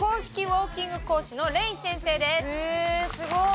えすごい！